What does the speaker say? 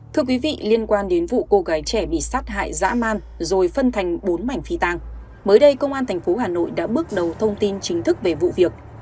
thưa quý vị liên quan đến vụ cô gái trẻ bị sát hại dã man rồi phân thành bốn mảnh phi tàng mới đây công an tp hà nội đã bước đầu thông tin chính thức về vụ việc